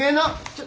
ちょ。